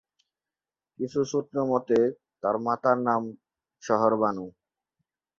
কিছু সূত্রমতে তাঁর মাতার নাম শহরবানু।